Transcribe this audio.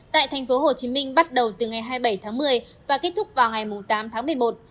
tại tp hcm bắt đầu từ ngày hai mươi bảy tháng một mươi và kết thúc vào ngày tám tháng một mươi một